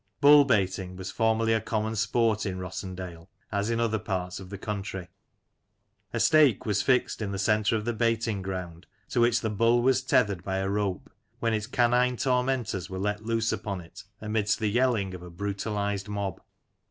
Bull baiting was formerly a common sport in Rossendale, as in other parts of the country. A stake was fixed in the centre of the baiting ground, to which the bull was tethered by a rope, when its canine tormentors were let loose upon it amidst the yelling of a brutalized mob.